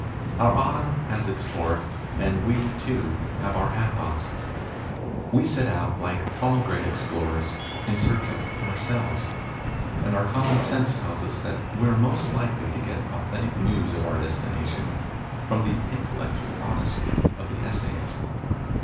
Our autumn has its pork, and we, too, have our hat boxes. We set out, like all great explorers, in search of ourselves, and our common sense tells us that we are most likely to get authentic news of our destination from the intellectual 14 MONOLOGUES honesty of the essayists.